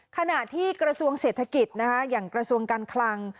ขณะที่กระทรวงเศรษฐกิจอย่างกระทรวงการคลัง